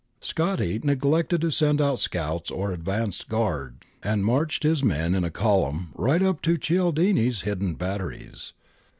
Scotti neglected to send out scouts or advance guard, and marched his men in column right up to Cialdini's hidden batteries.